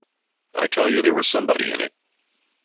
I tell you there was somebody in it.